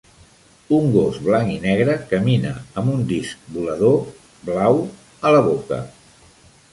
Un gos blanc i negre camina amb un disc volador blau a la boca.